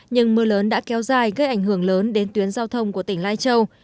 nhưng mưa lớn đã kéo dài gây ảnh hưởng lớn đến tuyến giao thông của tỉnh lai châu